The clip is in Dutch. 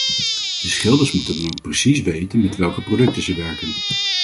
De schilders moeten dan ook precies weten met welke producten ze werken.